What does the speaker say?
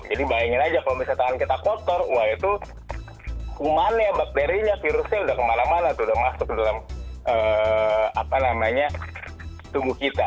jadi bayangin aja kalau misalnya tangan kita kotor wah itu kumannya bakterinya virusnya udah kemana mana tuh udah masuk ke dalam apa namanya tubuh kita